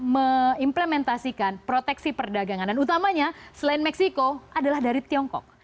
mengimplementasikan proteksi perdagangan dan utamanya selain meksiko adalah dari tiongkok